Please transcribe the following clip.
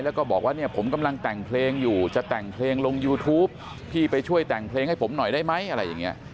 แล้วก็บอกว่าผมกำลังแต่งเพลงอยู่จะแต่งเพลงลงยูทูปพี่ไปช่วยแต่งเพลงให้ผมหน่อยได้ไหม